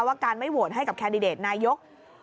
ว่าการไม่โหวตให้กับแคนดิเดตนายก